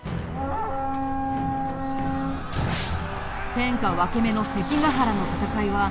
天下分け目の関ヶ原の戦いは秀吉亡き